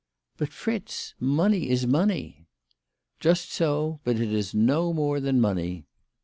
" But, Fritz ; money is money." "Just so; but it is no more than money.